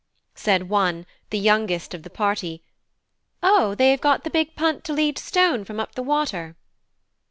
Said one, the youngest of the party: "O, they have got the big punt to lead stone from up the water."